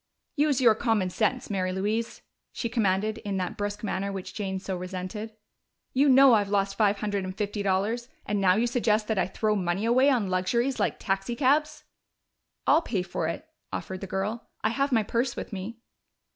"Use your common sense, Mary Louise!" she commanded, in that brusque manner which Jane so resented. "You know I've lost five hundred and fifty dollars, and now you suggest that I throw money away on luxuries like taxicabs!" "I'll pay for it," offered the girl. "I have my purse with me."